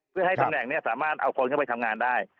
เพื่อให้ตำแหน่งนี้สามารถเอาคนเข้าไปทำงานได้